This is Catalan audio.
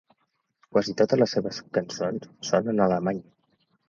Quasi totes les seves cançons són en alemany.